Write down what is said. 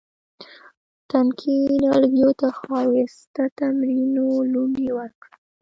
تنکي نهالګیو ته ښایسته ترمڼو لوڼې ورکړه